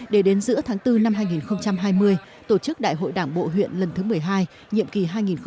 để đến giữa tháng bốn năm hai nghìn hai mươi tổ chức đại hội đảng bộ huyện lần thứ một mươi hai nhiệm kỳ hai nghìn hai mươi hai nghìn hai mươi năm